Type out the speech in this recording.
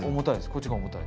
こっちが重たい。